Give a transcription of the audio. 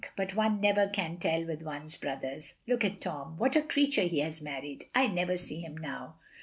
But one never can tell with one's brothers. Look at Tom. What a creature he has married. I never see him now.